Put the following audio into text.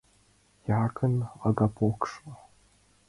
«Якын Агапошко